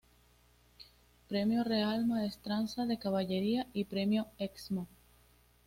Premio Real Maestranza de Caballería y Premio Excmo.